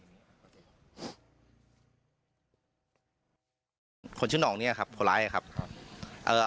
ตำรวจอีกหลายคนก็หนีออกจากจุดเกิดเหตุทันที